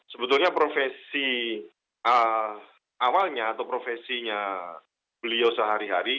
sebetulnya profesi awalnya atau profesinya beliau sehari hari